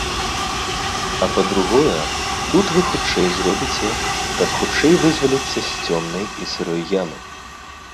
А па-другое, тут вы хутчэй зробіце, каб хутчэй вызваліцца з цёмнай і сырой ямы.